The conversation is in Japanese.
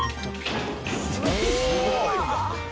すごいな。